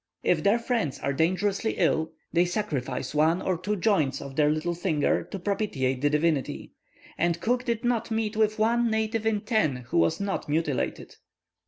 If their friends are dangerously ill, they sacrifice one or two joints of their little finger, to propitiate the divinity, and Cook did not meet with one native in ten who was not mutilated.